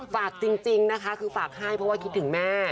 ฝากจริงนะคะคือฝากให้เพราะว่าคิดถึงแม่